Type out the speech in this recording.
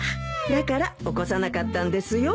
だから起こさなかったんですよ。